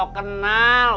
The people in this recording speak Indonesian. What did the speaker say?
tunggu betul sekali